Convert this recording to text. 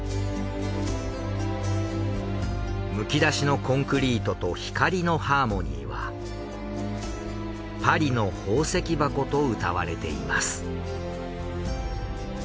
むき出しのコンクリートと光のハーモニーはパリの宝石箱とうたわれています。